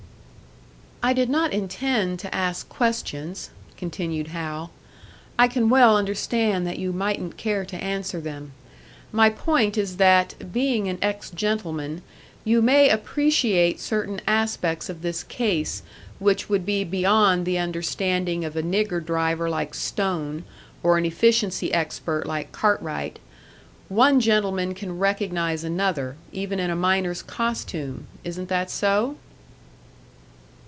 "I did not intend to ask questions," continued Hal. "I can well understand that you mightn't care to answer them. My point is that, being an ex gentleman, you may appreciate certain aspects of this case which would be beyond the understanding of a nigger driver like Stone, or an efficiency expert like Cartwright. One gentleman can recognise another, even in a miner's costume. Isn't that so?"